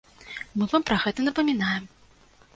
Мы вам пра гэта напамінаем.